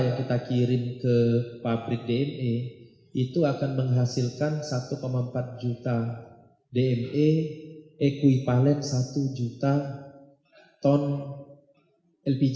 yang kita kirim ke pabrik dna itu akan menghasilkan satu empat juta dme ekvivalen satu juta ton lpg